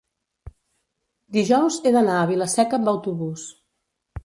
dijous he d'anar a Vila-seca amb autobús.